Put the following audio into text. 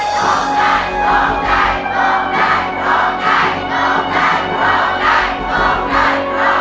โชคได้โชคได้โชคได้